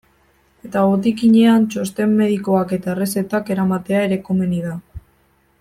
Eta botikinean txosten medikoak eta errezetak eramatea ere komeni da.